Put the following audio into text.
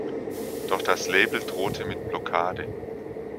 Doch das Label drohte mit Blockade.